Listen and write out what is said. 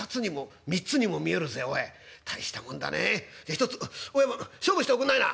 ひとつ親分勝負しておくんないな」。